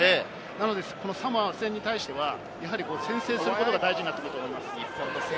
なのでサモア戦に対しては先制することが大事になってくると思います。